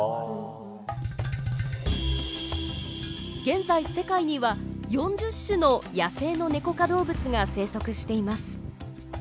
現在世界には４０種の野生のネコ科動物が生息しています。